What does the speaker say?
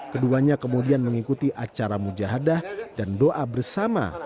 keduanya kemudian mengikuti acara mujahadah dan doa bersama